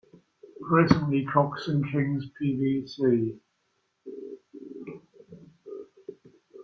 Presently Cox and Kings Pvt.